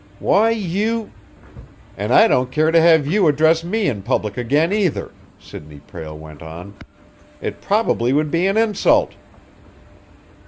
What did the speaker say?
"Why you " "And I don't care to have you address me in public again, either," Sidney Prale went on. "It probably would be an insult."